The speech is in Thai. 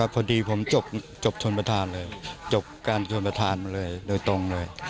พอดีผมจบชนประธานเลยจบการชนประธานมาเลยโดยตรงเลย